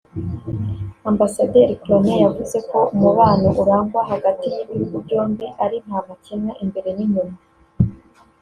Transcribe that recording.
Ambasaderi Cronin yavuze ko umubano urangwa hagati y’ibihugu byombi ari nta makemwa imbere n’inyuma